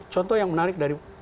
contoh yang menarik dari